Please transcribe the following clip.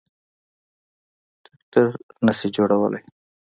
تراکتور نه شي جوړولای.